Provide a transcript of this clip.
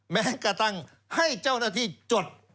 แม้กระทั่งให้เจ้าหน้าที่จด